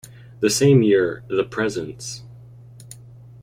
The same year, the Presents...